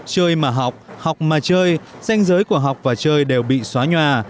chơi mà học học mà chơi danh giới của học và chơi đều bị xóa nhòa